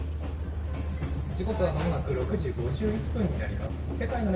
時刻はまもなく６時５１分になります。